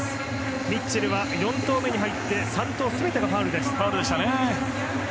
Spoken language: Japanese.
ミッチェルは４投目に入って全てがファウルです。